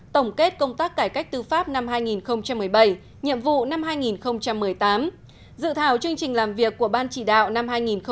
tổng kết công tác cải cách tư pháp năm hai nghìn một mươi bảy nhiệm vụ năm hai nghìn một mươi tám dự thảo chương trình làm việc của ban chỉ đạo năm hai nghìn một mươi chín